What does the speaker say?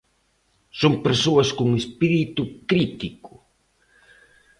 Son persoas con espírito crítico.